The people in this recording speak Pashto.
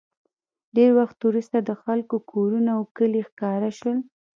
ډېر وخت وروسته د خلکو کورونه او کلي ښکاره شول